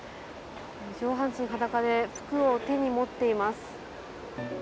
上半身裸で服を手に持っています。